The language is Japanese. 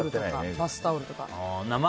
バスタオルとか。